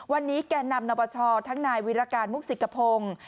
วันนี้แก่นำนปชทั้งนายวิรการมุกสิกพงศ์